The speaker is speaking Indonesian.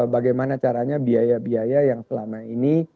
bagaimana caranya biaya biaya yang selama ini